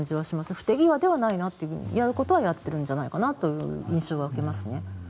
不手際ではないなとやることはやっているんじゃないかという印象は受けますね。